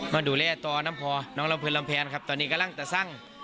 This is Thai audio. มาดูแลต่อน้ำพอน้องลำเนินลำแพนครับตอนนี้กำลังจะสร้าง